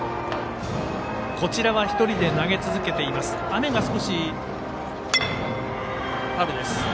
こちらは１人で投げ続けています。